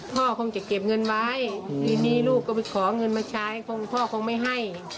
พ่อคงจะเก็บเงินไว้ทีนี้ลูกก็ไปขอเงินมาใช้คงพ่อคงไม่ให้